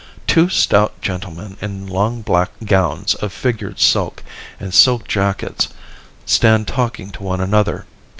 Two stout gentlemen in long black gowns of figured silk and silk jackets stand talking to one another.